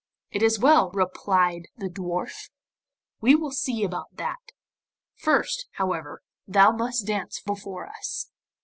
'It is well,' replied the dwarf. 'We will see about that. First, however, thou must dance before us.